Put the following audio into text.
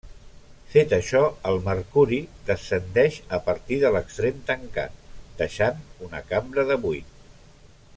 Fet això el mercuri descendeix a partir de l'extrem tancat, deixant una cambra de buit.